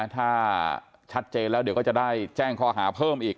ถ้าชัดเจนแล้วเดี๋ยวก็จะได้แจ้งข้อหาเพิ่มอีก